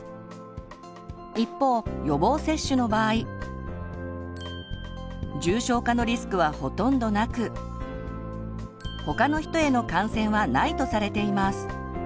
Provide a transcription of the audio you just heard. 一方予防接種の場合重症化のリスクはほとんどなく他の人への感染はないとされています。